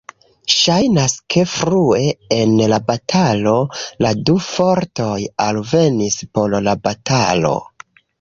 Ŝajnas ke frue en la batalo, la du fortoj alvenis por la batalo.